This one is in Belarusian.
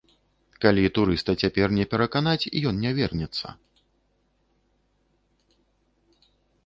Калі турыста цяпер не пераканаць, ён не вернецца.